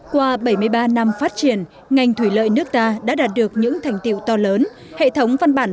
qua bảy mươi ba năm phát triển ngành thủy lợi nước ta đã đạt được những thành tiệu to lớn hệ thống văn bản